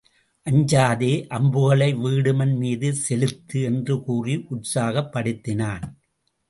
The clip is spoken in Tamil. அஞ்சாதே அம்புகளை வீடுமன் மீது செலுத்து என்று கூறி உற்சாகப்படுத்தினான்.